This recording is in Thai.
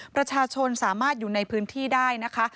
ประชาชนสามารถอยู่ในพื้นที่ได้นะคะ